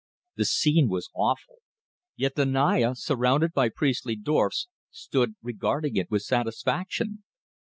The scene was awful, yet the Naya, surrounded by priestly dwarfs, stood regarding it with satisfaction.